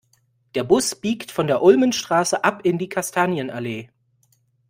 Der Bus biegt von der Ulmenstraße ab in die Kastanienallee.